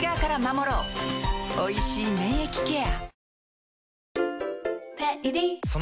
おいしい免疫ケア